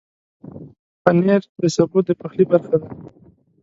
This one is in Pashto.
پنېر د سبو د پخلي برخه ده.